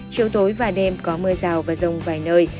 chiều tối và đêm có mưa rào và rông vài nơi